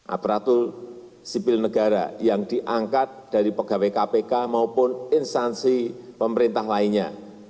aparatur sipil negara yang diangkat dari pegawai kpk maupun instansi pemerintah lainnya